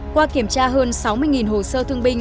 qua kiểm tra hơn sáu mươi hồ sơ thương binh